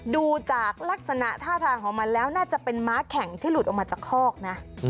ดูจากลักษณะท่าทางของมันแล้วน่าจะเป็นม้าแข่งที่หลุดออกมาจากคอกนะ